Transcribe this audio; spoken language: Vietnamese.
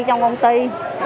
trong công ty